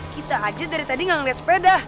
kita aja dari tadi gak ngeliat sepeda